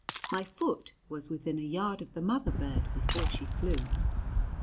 My foot was within a yard of the mother bird before she flew.